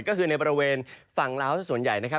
ก็คือในบริเวณฝั่งลาวสักส่วนใหญ่นะครับ